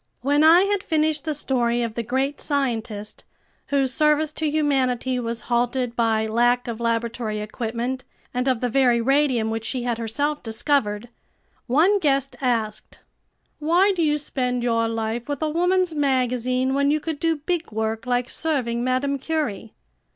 When I had finished the story of the great scientist, whose service to humanity was halted by lack of laboratory equipment, and of the very radium which she had herself discovered, one guest asked: "Why do you spend your life with a woman's magazine when you could do big work like serving Madame Curie?"